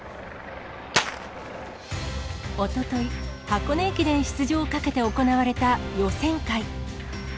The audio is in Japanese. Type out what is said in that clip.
おととい、箱根駅伝出場をかけて行われた予選会。